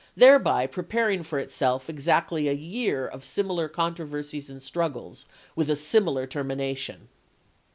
thereby preparing for itself exactly a year of simi lar controversies and struggles, with a similar termination.